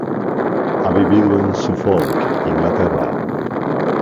Ha vivido en Suffolk, Inglaterra.